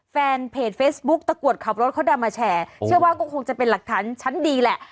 แฟนเพจเฟซบุ๊กตะกรวดขับรถเขาดำมาแชร์เชื่อว่าก็คงจะเป็นหลักฐานชั้นดีแหละ